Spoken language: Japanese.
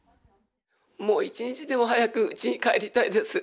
もう一日でも早くうちに帰りたいです。